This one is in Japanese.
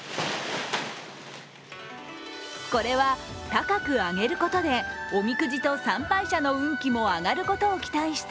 これは、高く上げることでおみくじと参拝者の運気も上がることを期待した